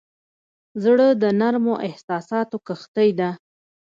زړه د نرمو احساساتو کښتۍ ده.